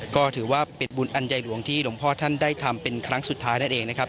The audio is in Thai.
ก็ถือว่าเป็นบุญอันใยหลวงที่หลวงพ่อท่านได้ทำเป็นครั้งสุดท้ายนั่นเองนะครับ